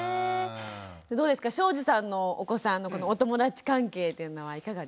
どうですか庄司さんのお子さんのお友達関係っていうのはいかがですか？